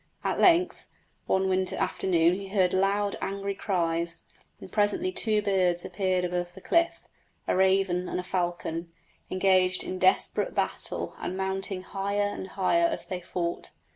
At length one winter afternoon he heard loud, angry cries, and presently two birds appeared above the cliff a raven and a falcon engaged in desperate battle and mounting higher and higher as they fought.